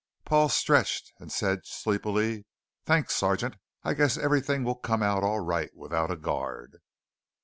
Paul stretched and said, sleepily: "Thanks, Sergeant. I guess everything will come out all right without a guard."